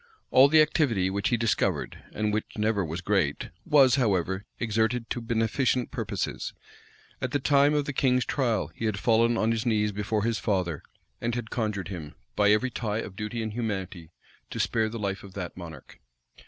All the activity which he discovered, and which never was great, was, however, exerted to beneficent purposes: at the time of the king's trial, he had fallen on his knees before his father, and had conjured him, by every tie of duty and humanity, to spare the life of that monarch.